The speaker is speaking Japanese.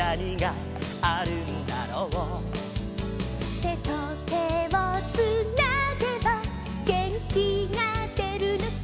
「てとてをつなげばげんきがでるのさ」